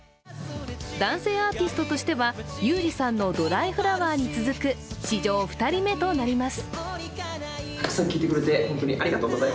男性アーティストとしては優里さんの「ドライフラワー」に続く史上２人目となります。